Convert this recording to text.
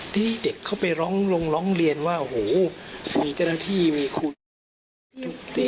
ที่เด็กเข้าไปร้องเรียนว่าโอ้โหมีเจ้าหน้าที่มีครูยุนิงทุบตี